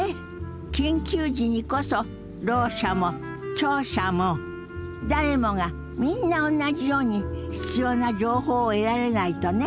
緊急時にこそろう者も聴者も誰もがみんなおんなじように必要な情報を得られないとね。